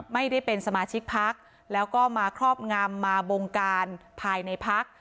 ไม่ได้เป็นสมาชิกพักแล้วก็มาครอบงำมาบงการภายในพัก